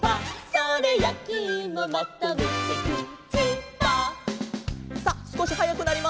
「それやきいもまとめてグーチーパー」さあすこしはやくなりますよ。